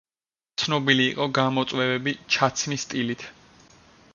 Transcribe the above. ცნობილი იყო გამომწვევი ჩაცმის სტილით.